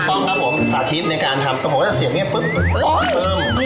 ก็สาธิตในการทำพอโหเหยียบงี้ปุ๊บปื๊บเอ๋ย